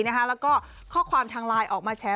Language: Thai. แล้วก็ข้อความทางไลน์ออกมาแชร์